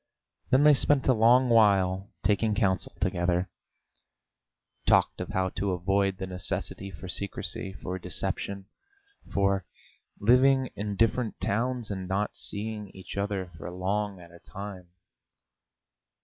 Then they spent a long while taking counsel together, talked of how to avoid the necessity for secrecy, for deception, for living in different towns and not seeing each other for long at a time.